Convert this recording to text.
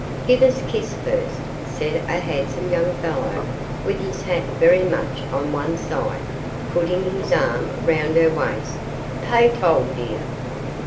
'Give us kiss first,' said a handsome young fellow, with his hat very much on one side, putting his arm round her waist, 'pay toll, dear.